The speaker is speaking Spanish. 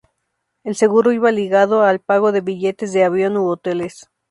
El seguro iba ligado al pago de billetes de avión u hoteles.